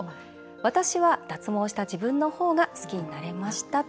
私は脱毛した自分の方が好きになれました」と。